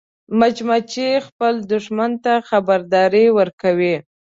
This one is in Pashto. مچمچۍ خپل دښمن ته خبرداری ورکوي